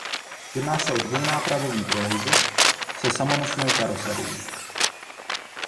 Jedná se o dvounápravový trolejbus se samonosnou karoserií.